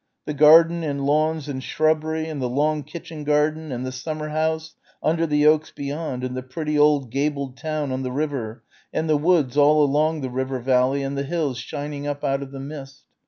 the garden and lawns and shrubbery and the long kitchen garden and the summer house under the oaks beyond and the pretty old gabled "town" on the river and the woods all along the river valley and the hills shining up out of the mist.